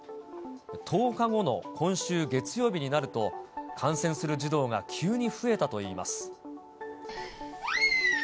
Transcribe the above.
１０日後の今週月曜日になると、感染する児童が急に増えたといいます。